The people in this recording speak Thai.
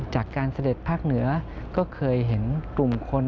เสด็จภาคเหนือก็เคยเห็นกลุ่มคน